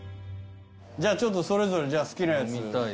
じゃあちょっとそれぞれ好きなやつ。